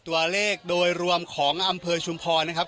ตัวเลขโดยรวมของอำเภอชุมพรนะครับ